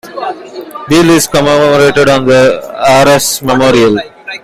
Beal is commemorated on the Arras Memorial.